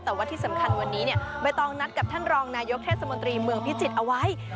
แต่ว่าที่สำคัญวันนี้ใบตองนัดกับท่านรองนายกเทศมนตรีเมืองพิจิตรเอาไว้